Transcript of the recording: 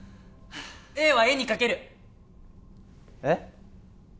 Ａは絵に描けるえっ？